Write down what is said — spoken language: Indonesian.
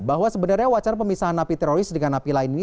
bahwa sebenarnya wacana pemisahan napi teroris dengan napi lain ini